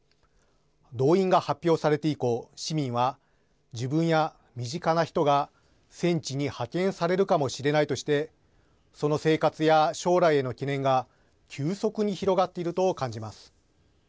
動員が発表されて以降、市民は自分や身近な人が戦地に派遣されるかもしれないとしてその生活や将来への懸念が急速に広がっていると感じます。